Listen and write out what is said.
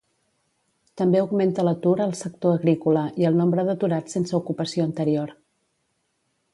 També augmenta l'atur al sector agrícola i el nombre d'aturats sense ocupació anterior.